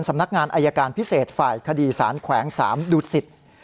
สำนักงานอายการพิเศษฝ่ายคดีสารแขวง๓ดุสิต